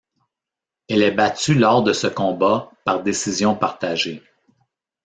Elle est battue lors de ce combat par décision partagée.